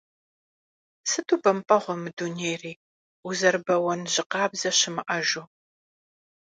Сыту бэмпӏэгъуэ мы дунейри, узэрыбэуэн жьы къабзэ щымыӏэжу…